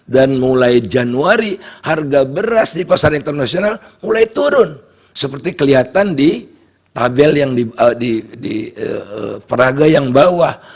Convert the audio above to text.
dan mulai januari harga beras di pasar internasional mulai turun seperti kelihatan di peraga yang bawah